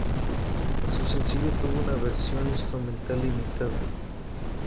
Su sencillo tuvo una versión instrumental limitada.